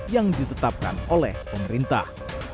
yang ditetapkan oleh pemerintah